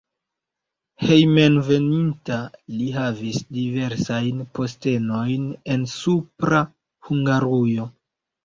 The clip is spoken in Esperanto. Hejmenveninta li havis diversajn postenojn en Supra Hungarujo.